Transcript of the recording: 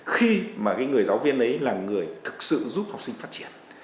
khi mà cái người giáo viên ấy là người thực sự giúp học sinh phát triển